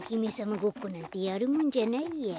ごっこなんてやるもんじゃないや。